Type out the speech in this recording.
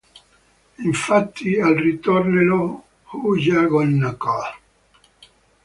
Infatti, al ritornello "Who ya gonna call?